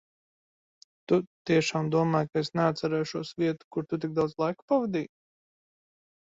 Tu tiešām domāji, ka es neatcerēšos vietu, kur tu tik daudz laika pavadīji?